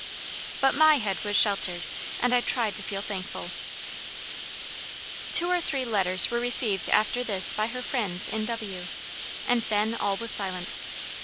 "But MY head WAS SHELTERED, and I tried to feel thankful." Two or three letters were received after this by her friends in W , and then all was silent.